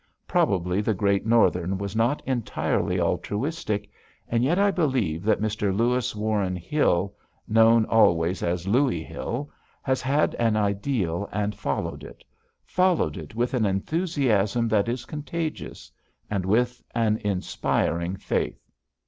Probably the Great Northern was not entirely altruistic, and yet I believe that Mr. Louis Warren Hill, known always as "Louie" Hill, has had an ideal and followed it followed it with an enthusiasm that is contagious. And with an inspiring faith.